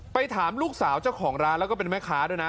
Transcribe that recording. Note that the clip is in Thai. ถามลูกสาวเจ้าของร้านแล้วก็เป็นแม่ค้าด้วยนะ